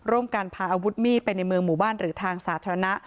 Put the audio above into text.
การพาอาวุธมีดไปในเมืองหมู่บ้านหรือทางสาธารณะ